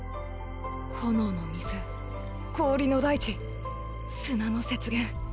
炎の水氷の大地砂の雪原。